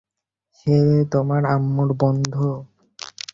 সে তোমার আম্মুর বন্ধু।